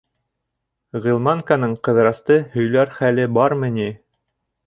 — Ғилманканың Ҡыҙырасты һөйләр хәле бармы ни?